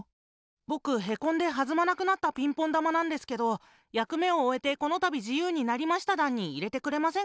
ぼくへこんではずまなくなったピンポン玉なんですけど「やくめをおえてこのたび自由になりました団」にいれてくれませんか？